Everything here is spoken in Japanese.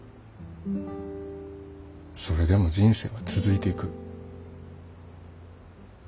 それでも人生は続いていく。